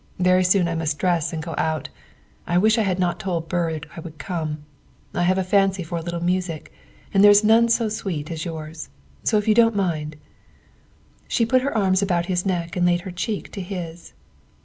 Very soon I must dress and go out. I wish I had not told Byrd I would come. I have a fancy for a little music, and there is none so sweet as yours, so if you don't mind She put her arms about his neck and laid her cheek to his.